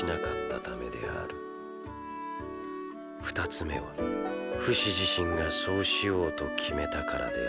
２つめはフシ自身がそうしようと決めたからである。